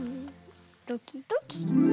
ドキドキ。